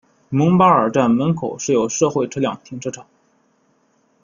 蒙巴尔站门口设有社会车辆停车场。